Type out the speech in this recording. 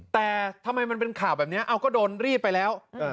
แต่ทำไมมันเป็นข่าวแบบนี้เอาก็โดนรีบไปแล้ว